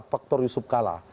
faktor yusuf kala